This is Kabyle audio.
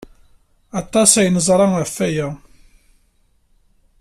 Aṭas ay neẓra ɣef waya.